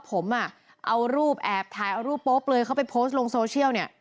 ผมเอารูปแอบถ่ายเอารูปโป๊ปเลยเข้าไปโพสต์ลงโซเชียล